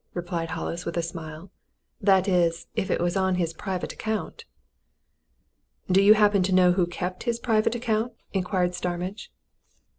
replied Hollis, with a smile. "That is, if it was on his private account." "Do you happen to know who kept his private account?" inquired Starmidge.